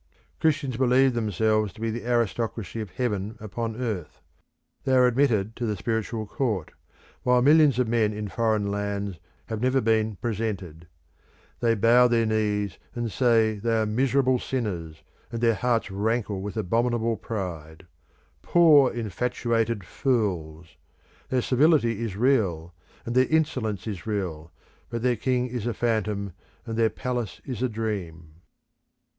Christians believe themselves to be the aristocracy of heaven upon earth; they are admitted to the spiritual court, while millions of men in foreign lands have never been presented. They bow their knees and say that they are miserable sinners, and their hearts rankle with abominable pride. Poor infatuated fools! Their servility is real, and their insolence is real, but their king is a phantom and their palace is a dream.